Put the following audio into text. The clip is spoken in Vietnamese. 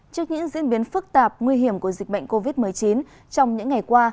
trước những diễn biến phức tạp nguy hiểm của dịch bệnh covid một mươi chín trong những ngày qua